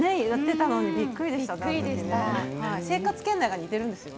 生活圏内が似ているんですよね。